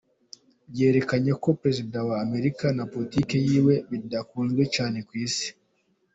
Bwerakanye ko prezida wa Amerika na politike yiwe bidakunzwe cane kw'isi.